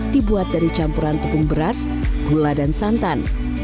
dibuat dari campuran tepung beras gula dan santan